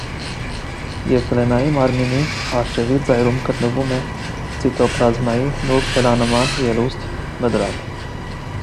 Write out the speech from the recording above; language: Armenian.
Էվգլենայի մարմնի առջևի ծայրում գտնվում է ցիտոպլազմայի նուրբ թելանման ելուստ՝մտրակ։